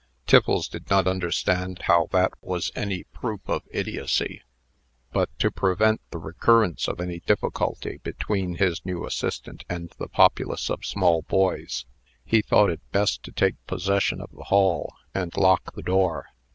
Tiffles did not understand how that was any proof of idiocy; but, to prevent the recurrence of any difficulty between his new assistant and the populace of small boys, he thought it best to take possession of the hall, and lock the door.